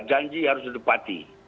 janji harus didepati